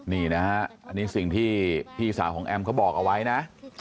นี่นะฮะอันนี้สิ่งที่พี่สาวของแอมเขาบอกเอาไว้นะ